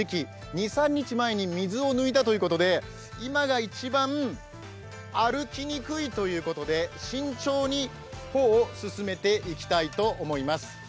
２３日前に水を抜いたということで今が一番歩きにくいということで慎重に歩を進めていきたいと思います。